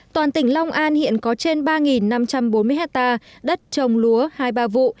toàn tỉnh long an hiện có trên ba năm trăm bốn mươi hectare đất trồng lúa hai ba vụ